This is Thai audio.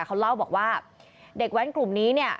เขาเล่าบอกว่าเด็กแว้นกลุ่มนี้เนี่ย